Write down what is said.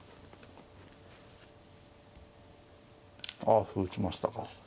あ歩打ちましたか。